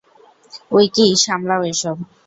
Wiki, সামলাও এসব।